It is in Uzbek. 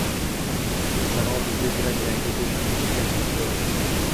Sanoat zudlik bilan yangi qo'nishga muhtoj